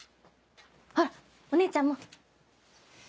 ほらお姉ちゃんも！